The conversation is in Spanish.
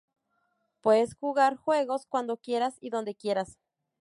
Puedes jugar juegos cuando quieras y donde quieras.